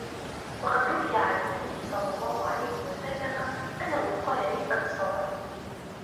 وَقَدْ رُوِيَ عَنْ النَّبِيِّ صَلَّى اللَّهُ عَلَيْهِ وَسَلَّمَ أَنَّهُ قَالَ لِلْأَنْصَارِ